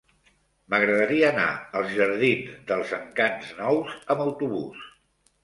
M'agradaria anar als jardins dels Encants Nous amb autobús.